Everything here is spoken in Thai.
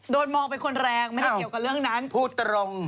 โดนมองเป็นคนแรงไม่ได้เกี่ยวกับเรื่องนั้นพูดตรง